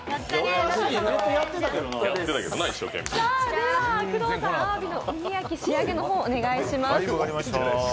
では、工藤さん、あわびのうに焼きの仕上げの方をお願いします。